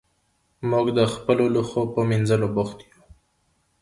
موږ د خپلو لوښو په مینځلو بوخت یو.